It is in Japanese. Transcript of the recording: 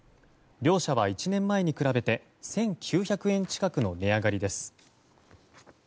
両社は１年前に比べて１９００円近くの値上がりです。